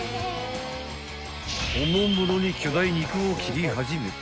［おもむろに巨大肉を切り始めた］